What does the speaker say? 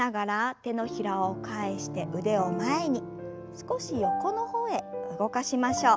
少し横の方へ動かしましょう。